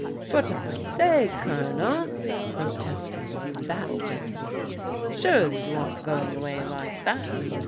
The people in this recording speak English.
"But I say, Colonel," protested that gentleman, " surely you aren't going away like that